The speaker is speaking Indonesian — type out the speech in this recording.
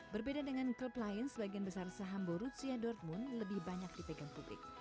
berbeda dengan klub lain sebagian besar saham borussia dortmund lebih banyak dipegang publik